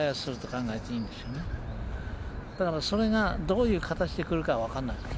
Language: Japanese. それがどういう形で来るかは分からないわけ。